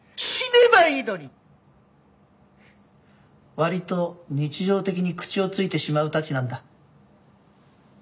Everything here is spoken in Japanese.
割と日常的に口をついてしまうたちなんだ。